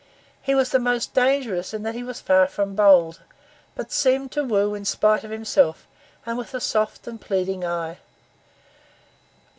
He was the more dangerous in that he was far from bold, but seemed to woo in spite of himself, and with a soft and pleading eye.